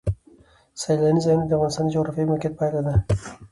سیلانی ځایونه د افغانستان د جغرافیایي موقیعت پایله ده.